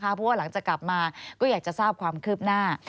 เพราะว่าหลังจากกลับมาก็อยากจะทราบความคืบหน้า